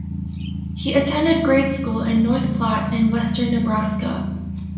He attended grade school in North Platte in western Nebraska.